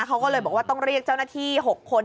เขาก็เลยบอกว่าต้องเรียกเจ้าหน้าที่๖คน